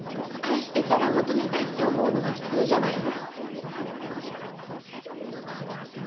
愛してたら求めたいって思うのが普通じゃないの？